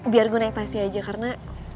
biar gue naik tasi aja karena